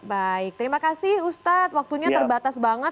baik terima kasih ustadz waktunya terbatas banget